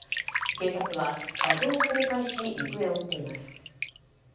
警察は画像を公開し行方を追っています。